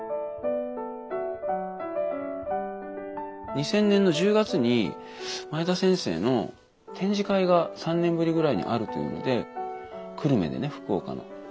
２０００年の１０月に前田先生の展示会が３年ぶりぐらいにあるというので久留米でね福岡の。